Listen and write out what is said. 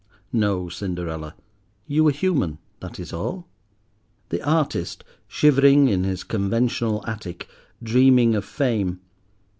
No, Cinderella, you were human, that is all. The artist, shivering in his conventional attic, dreaming of Fame!